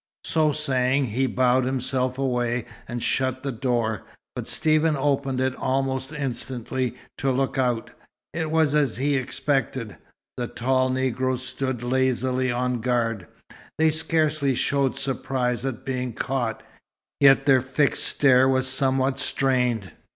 So saying, he bowed himself away, and shut the door; but Stephen opened it almost instantly, to look out. It was as he expected. The tall Negroes stood lazily on guard. They scarcely showed surprise at being caught, yet their fixed stare was somewhat strained.